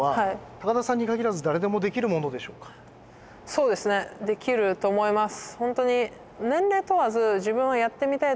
そうですねできると思います。